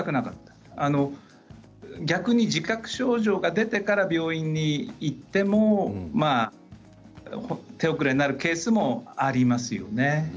逆に自覚症状が出てから病院に行っても手遅れになるケースもありますよね。